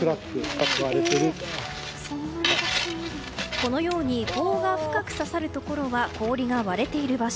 このように棒が深く刺さるところは氷が割れている場所。